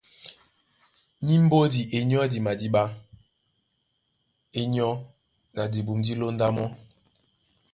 Ní mbódi e nyɔ́di madíɓá, é nyɔ́, na dibum dí lóndá mɔ́.